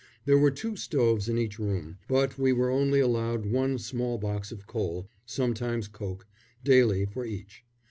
There were two stoves in each room, but we were only allowed one small box of coal sometimes coke daily for each.